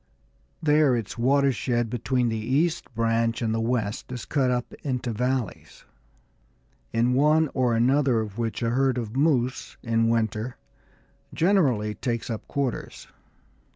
There its watershed between the east branch and the west is cut up into valleys, in one or another of which a herd of moose, in winter, generally takes up quarters.